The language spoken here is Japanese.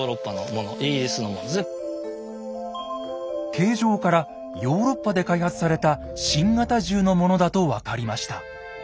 形状からヨーロッパで開発された新型銃のものだと分かりました。